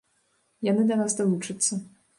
Яны да нас далучацца.